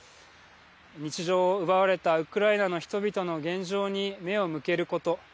日常を奪われたウクライナの人々の現状に目を向けること。